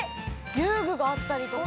遊具があったりとか。